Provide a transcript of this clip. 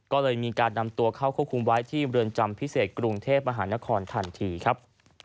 ก็เลยมีการนำตัวเข้าควบคุมไว้ที่เรือนจำพิเศษกรุงเทพมหานครทันทีครับ